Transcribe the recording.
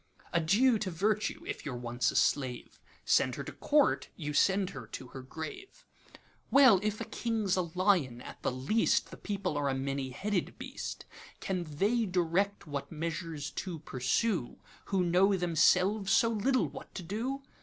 'Adieu to Virtue, if you 're once a slave:Send her to Court, you send her to her grave. Well, if a King 's a lion, at the leastThe people are a many headed beast; Can they direct what measures to pursue, Who know themselves so little what to do?